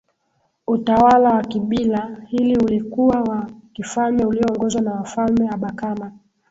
Utawala wa kibila hili ulikuwa wa kifalme ulioongozwa na wafalme Abakama